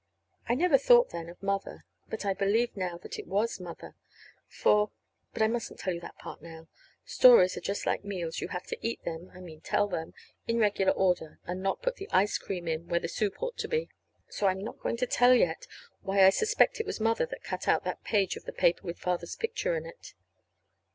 I never thought then of Mother. But I believe now that it was Mother, for But I mustn't tell you that part now. Stories are just like meals. You have to eat them I mean tell them in regular order, and not put the ice cream in where the soup ought to be. So I'm not going to tell yet why I suspect it was Mother that cut out that page of the paper with Father's picture in it.